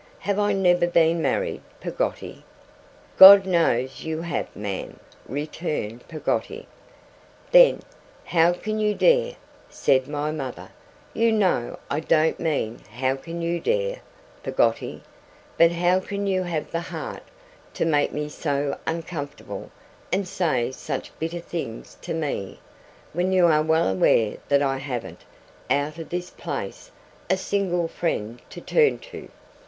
Have I never been married, Peggotty?' 'God knows you have, ma'am,' returned Peggotty. 'Then, how can you dare,' said my mother 'you know I don't mean how can you dare, Peggotty, but how can you have the heart to make me so uncomfortable and say such bitter things to me, when you are well aware that I haven't, out of this place, a single friend to turn to?